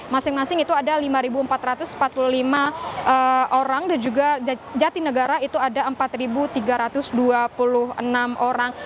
masing masing itu ada lima empat ratus empat puluh lima orang dan juga jatinegara itu ada empat tiga ratus dua puluh enam orang